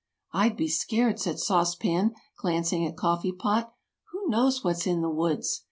"I'd be scared," said Sauce Pan, glancing at Coffee Pot. "Who knows what's in the woods?"